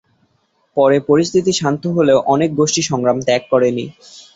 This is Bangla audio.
পরে পরিস্থিতি শান্ত হলেও অনেক গোষ্ঠী সংগ্রাম ত্যাগ করেনি।